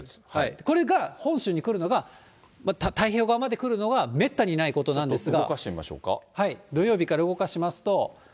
これが本州に来るのが、太平洋側まで来るのがめったにないことなんですが。